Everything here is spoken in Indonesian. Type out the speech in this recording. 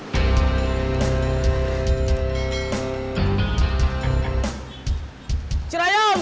tadi bilangnya ke toilet